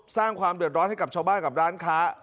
สร้างความเดือดร้อนให้กับชาวบ้านกับร้านค้า